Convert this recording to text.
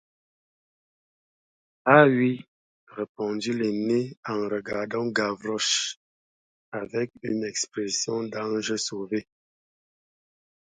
Ah oui! répondit l’aîné en regardant Gavroche avec une expression d’ange sauvé.